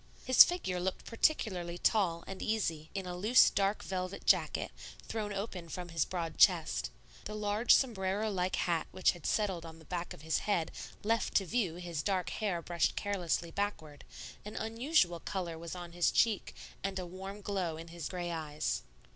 His figure looked particularly tall and easy in a loose dark velvet jacket, thrown open from his broad chest; the large sombrero like hat which had settled on the back of his head left to view his dark hair brushed carelessly backward; an unusual color was on his cheek, and a warm glow in his gray eyes.